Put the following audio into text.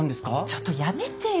ちょっとやめてよ。